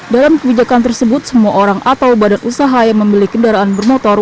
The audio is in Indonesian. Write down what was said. dalam kebijakan tersebut semua orang atau badan usaha yang memiliki kendaraan bermotor